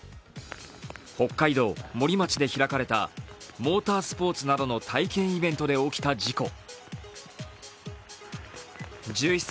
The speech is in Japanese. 北海道・森町で開かれたモータースポーツなどの体験イベントで起きた事故。